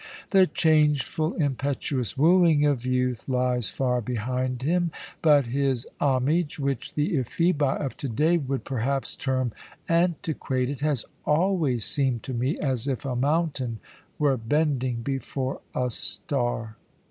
The changeful, impetuous wooing of youth lies far behind him, but his homage, which the Ephebi of today would perhaps term antiquated, has always seemed to me as if a mountain were bending before a star.